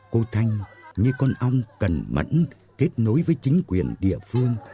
cô thanh như con ong cần mẫn kết nối với chính quyền địa phương